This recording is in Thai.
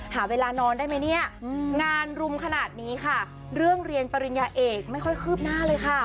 หาเวลานอนได้ไหมเนี่ยงานรุมขนาดนี้ค่ะเรื่องเรียนปริญญาเอกไม่ค่อยคืบหน้าเลยค่ะ